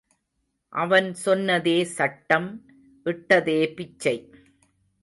அவன் சொன்னதே சட்டம் இட்டதே பிச்சை.